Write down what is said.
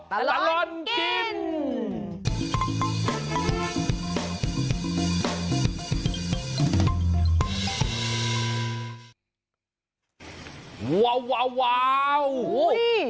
มาลนกิน